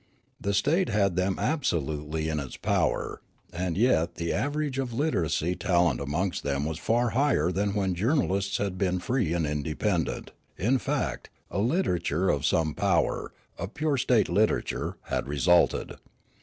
The state had them absolutely in its power ; and yet the average of literary talent amongst them was far higher than when journalism had been free and independent ; in fact a literature of some power, a pure state literature, had resulted.